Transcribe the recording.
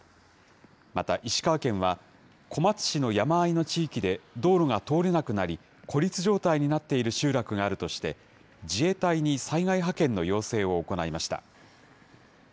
また石川県は、小松市の山あいの地域で道路が通れなくなり、孤立状態になっている集落があるとして、自衛隊に災害派遣の要請を行いました。